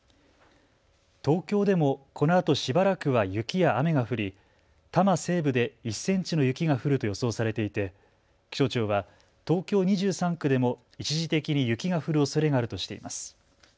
東京でも、このあとしばらくは雪や雨が降り多摩西部で１センチの雪が降ると予想されていて気象庁は東京２３区でも一時的に雪が降るおそれがあるとしています。